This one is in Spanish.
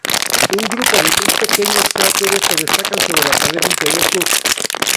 Un grupo de tres pequeñas cráteres se destacan sobre la pared interior sur.